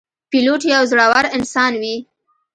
پیلوټ یو زړهور انسان وي.